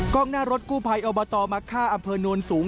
กล้องหน้ารถกู้ภัยเอามาต่อมาฆ่าอำเภอนวนสูง